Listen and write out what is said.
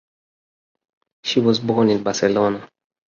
She was born in Barcelona.